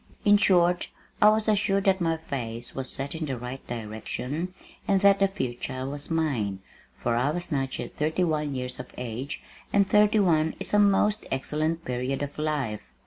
In short, I was assured that my face was set in the right direction and that the future was mine, for I was not yet thirty one years of age, and thirty one is a most excellent period of life!